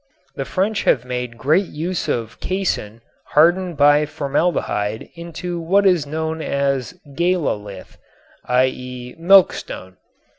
The French have made great use of casein hardened by formaldehyde into what is known as "galalith" (i.e., milkstone).